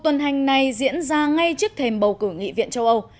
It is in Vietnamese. tuần hành này diễn ra ngay trước thềm bầu cử nghị viện châu âu